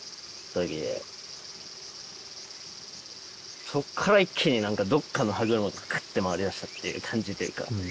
時でそっから一気に何かどっかの歯車クッと回り出したっていう感じというか